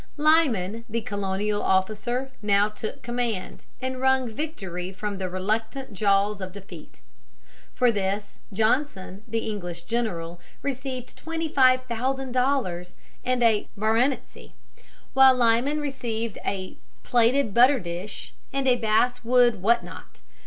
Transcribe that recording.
Lyman, the Colonial officer now took command, and wrung victory from the reluctant jaws of defeat. For this Johnson, the English general, received twenty five thousand dollars and a baronetcy, while Lyman received a plated butter dish and a bass wood what not.